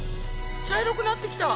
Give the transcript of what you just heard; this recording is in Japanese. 茶色くなってきた！